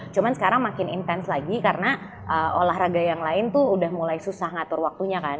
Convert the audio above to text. cuma sekarang makin intens lagi karena olahraga yang lain tuh udah mulai susah ngatur waktunya kan